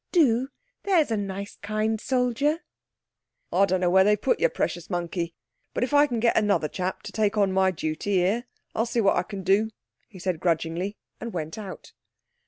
Do—there's a nice, kind soldier." "I don't know where they've put your precious monkey, but if I can get another chap to take on my duty here I'll see what I can do," he said grudgingly, and went out.